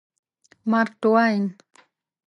مارک ټواین